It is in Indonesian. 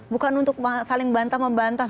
bukan untuk saling bantah membantah